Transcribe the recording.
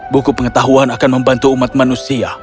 buku pengetahuan akan membantu umat manusia